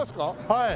はい。